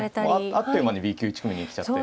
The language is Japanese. あっという間にＢ級１組に行っちゃって。